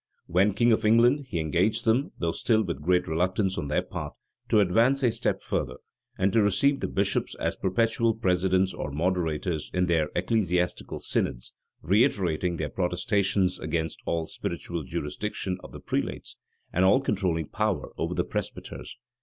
[*] When king of England, he engaged them, though still with great reluctance on their part, to advance a step further, and to receive the bishops as perpetual presidents or moderators in their ecclesiastical synods; reiterating their protestations against all spiritual jurisdiction of the prelates, and all controlling power over the presbyters.